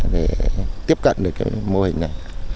để tiếp cận được cái mô hình này